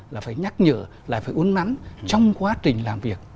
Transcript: là phải nhắc nhở là phải uốn nắn trong quá trình làm việc